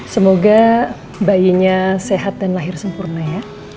semoga bayinya sehat dan lahir sempurna ya